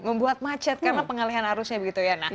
membuat macet karena pengalihan arusnya begitu ya